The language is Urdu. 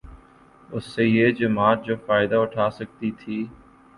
اس سے یہ جماعت جو فائدہ اٹھا سکتی تھی